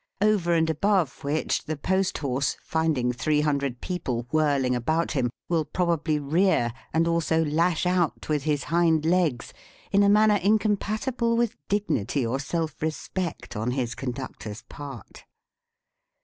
Over and above which, the post horse, finding three hundred people whirling about him, will probably rear, and also lash out with his hind legs, in a manner incompatible with dignity or self respect on his conductor's part.